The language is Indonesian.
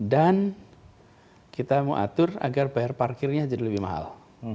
dan kita mau atur agar bayar parkirnya jadi lebih mahal